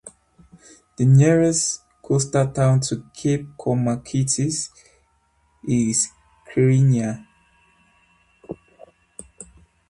The nearest coastal town to Cape Kormakitis is Kyrenia.